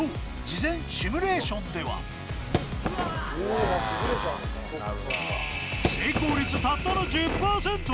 事前シミュレーションでは成功率たったの１０％